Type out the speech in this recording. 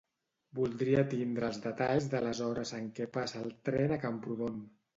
Voldria tindre els detalls de les hores en què passa el tren a Camprodon.